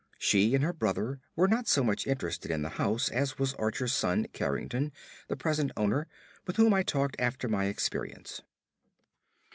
She and her brother were not so much interested in the house as was Archer's son Carrington, the present owner, with whom I talked after my experience.